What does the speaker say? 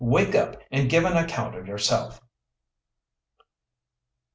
"Wake up and give an account of yourself!"